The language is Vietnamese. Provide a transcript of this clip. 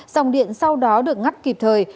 dòng điện sau đó được ngắt kịp thời